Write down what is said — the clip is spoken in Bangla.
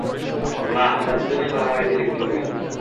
মা, আমরা দুজনেই মারামারিতে লিপ্ত হই।